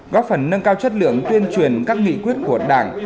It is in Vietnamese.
góp phần nâng cao chất lượng tuyên truyền các nghị quyết của đảng